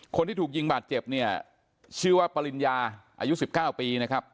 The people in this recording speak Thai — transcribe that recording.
คนที่ถูกยิงบาดเจ็บเนี่ยชื่อว่าปริญญาอายุ๑๙ปีนะครับ